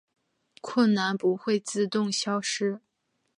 困难不会自动消失